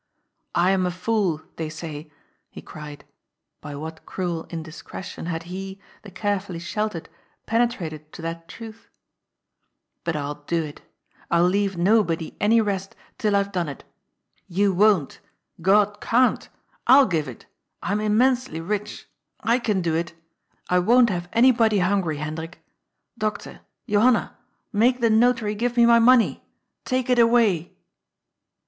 ^^ I am a fool, they say !" he cried — by what cruel indis cretion had he, the carefully sheltered, penetrated to that truth ?—" but I'll do it. I'll leave nobody any rest till I've done it. You won't. God can't. I'll give it. I'm im mensely rich. I can do it. I won't have anybody hungry, Hendrik. Doctor, Johanna, make the Notary give me my money. Take it away